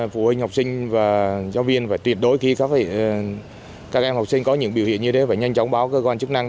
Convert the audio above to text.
phụ huynh học sinh và giáo viên phải tuyệt đối khi có các em học sinh có những biểu hiện như thế và nhanh chóng báo cơ quan chức năng